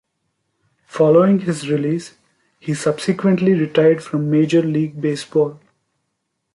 Following his release, he subsequently retired from major league baseball.